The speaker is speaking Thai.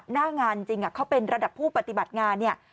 หน้างานจริงเขาเป็นระดับผู้ปฏิบัติงานเนี่ย